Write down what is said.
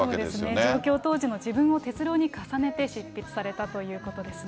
状況当時の自分を鉄郎に重ねて執筆されたということですね。